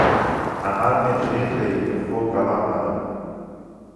عمل مې تريخ دی که خوږ کلام لرم